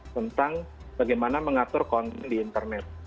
tentang bagaimana mengatur konten di internet